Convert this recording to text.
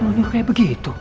lu nyuruh kayak begitu